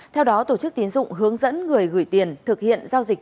theo đó tổ chức tiến dụng hướng dẫn người gửi tiền thực hiện giao dịch